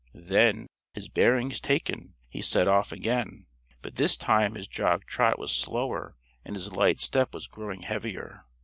Then, his bearings taken, he set off again, but this time his jog trot was slower and his light step was growing heavier.